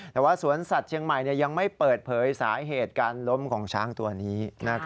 แต่ว่าสวนสัตว์เชียงใหม่ยังไม่เปิดเผยสาเหตุการล้มของช้างตัวนี้